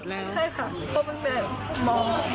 ใช่ค่ะพอมันเป็นม๔